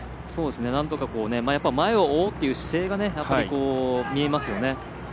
なんとか前を追うっていう姿勢がやっぱり、見えますよね。